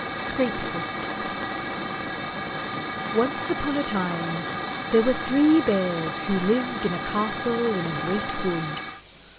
Scrapefoot Once upon a time, there were three Bears who lived in a castle in a great wood.